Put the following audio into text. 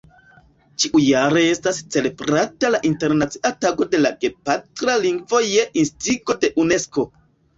Ĉiujare estas celebrata la Internacia Tago de la Gepatra Lingvo je instigo de Unesko.